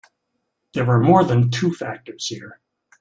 There are more than two factors here.